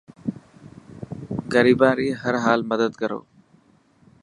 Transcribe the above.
غريبان ري هر حال مدد ڪرو.